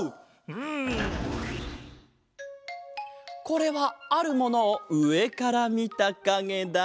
これはあるものをうえからみたかげだ。